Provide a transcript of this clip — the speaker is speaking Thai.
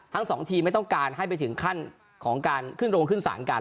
ทั้งสองทีมไม่ต้องการให้ไปถึงขั้นของการขึ้นโรงขึ้นศาลกัน